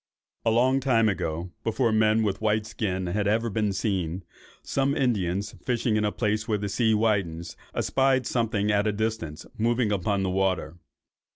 "A long time ago, before men with a white skin had ever been seen, some Indians, fishing at a place where the sea widens, espied something at a distance moving upon the water.